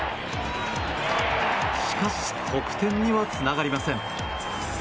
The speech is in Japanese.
しかし得点にはつながりません。